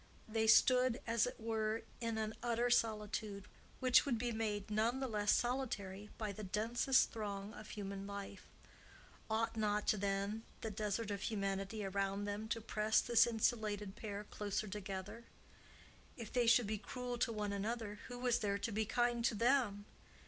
They stood, as it were, in an utter solitude, which would be made none the less solitary by the densest throng of human life. Ought not, then, the desert of humanity around them to press this insulated pair closer together? If they should be cruel to one another, who was there to be kind to them?